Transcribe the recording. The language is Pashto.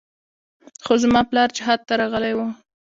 خو زما پلار جهاد ته راغلى و.